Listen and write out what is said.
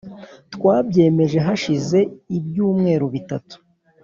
twabyemeje hashize ibyumweru bitatu.